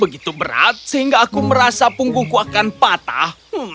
begitu berat sehingga aku merasa punggungku akan patah